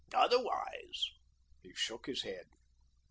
Otherwise " he shook his head.